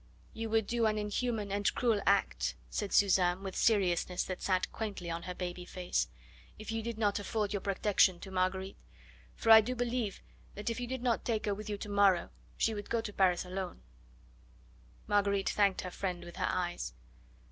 "You would do an inhuman and a cruel act," said Suzanne with seriousness that sat quaintly on her baby face, "if you did not afford your protection to Marguerite, for I do believe that if you did not take her with you to morrow she would go to Paris alone." Marguerite thanked her friend with her eyes.